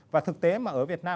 và thực tế mà ở việt nam